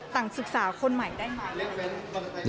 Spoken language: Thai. ศึกษาคนใหม่ได้ไหม